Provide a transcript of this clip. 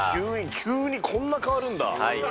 急にこんな変わるんだ。